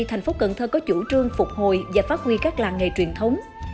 thành phố cần thơ có chủ trương phục hồi và phát huy các làng nghề truyền thống